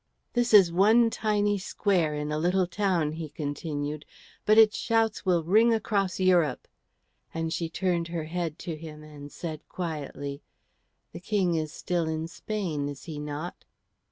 "This is one tiny square in a little town," he continued. "But its shouts will ring across Europe;" and she turned her head to him and said quietly, "The King is still in Spain, is he not?"